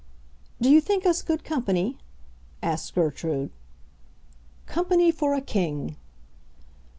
"Do you think us good company?" asked Gertrude. "Company for a king!"